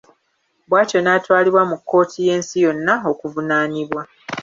Bwatyo n'atwalibwa mu kkooti y'ensi yonna okuvunaanibwa.